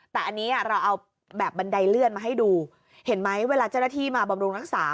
แต่อันนี้เราเอาแบบบันไดเลื่อนมาให้ดูเห็นไหมเวลาเจ้าหน้าที่มาบำรุงรักษา